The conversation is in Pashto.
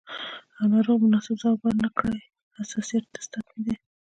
او ناروغ مناسب ځواب ورنکړي، حساسیت ټسټ حتمي دی.